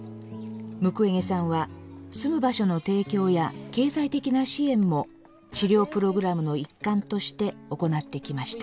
ムクウェゲさんは住む場所の提供や経済的な支援も治療プログラムの一環として行ってきました。